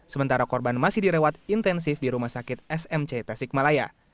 sementara korban masih dirawat intensif di rumah sakit smc tasikmalaya